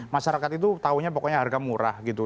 masyarakat itu tahunya pokoknya harga murah gitu